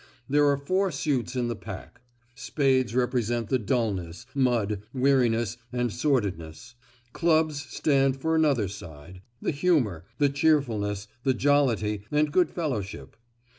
There are four suits in the pack. Spades represent the dullness, mud, weariness, and sordidness. Clubs stand for another side, the humour, the cheerfulness, the jollity, and good fellowship.